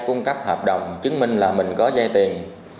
cung cấp hợp đồng chứng minh là mình có dây tiền